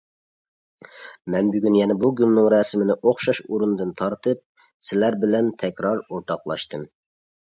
مەن بۈگۈن يەنە بۇ گۈلنىڭ رەسىمىنى ئوخشاش ئورۇندىن تارتىپ، سىلەر بىلەن تەكرار ئورتاقلاشتىم.